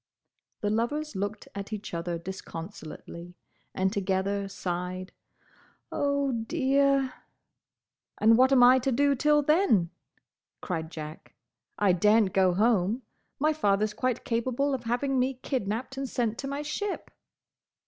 —" The lovers looked at each other disconsolately, and together sighed, "Oh, dear!" "And what am I to do till then?" cried Jack. "I daren't go home. My father 's quite capable of having me kidnapped and sent to my ship!"